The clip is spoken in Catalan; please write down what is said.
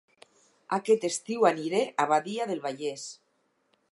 Aquest estiu aniré a Badia del Vallès